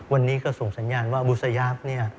วันนี้ก็ส่งสัญญาณว่าอบุษยาภ